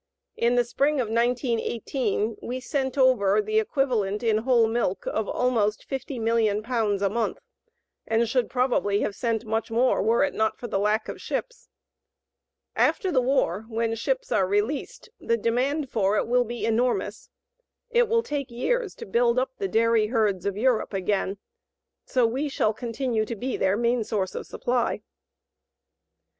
In the spring of 1918 we sent over the equivalent in whole milk of almost 50,000,000 pounds a month, and should probably have sent much more were it not for the lack of ships. After the war, when ships are released, the demand for it will be enormous. It will take years to build up the dairy herds of Europe again, so we shall continue to be their main source of supply.